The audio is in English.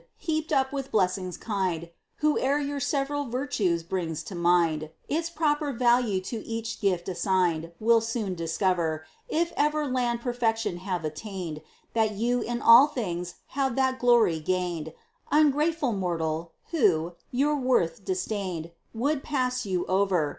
heaped up with blessings kind, Whoe'er your several virtues brings to mind, Its proper value to each gift assigned, Will soon discover, If ever land perfection have attained, That you in all things have that glory gained; Ungrateful mortal, who, your worth disdained, Would pass you over.